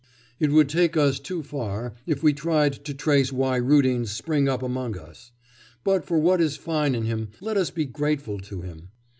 It would take us too far if we tried to trace why Rudins spring up among us. But for what is fine in him, let us be grateful to him.